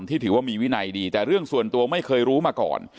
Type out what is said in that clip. ถือว่ามีวินัยดีแต่เรื่องส่วนตัวไม่เคยรู้มาก่อน